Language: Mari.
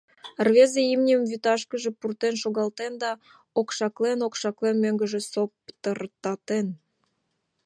Рвезе имньым вӱташкыже пуртен шогалтен да, окшаклен-окшаклен, мӧҥгыжӧ соптыртатен.